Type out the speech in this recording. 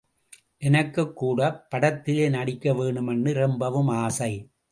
எனக்குக் கூட படத்திலே நடிக்க வேணும்னு ரொம்பவும் ஆசை.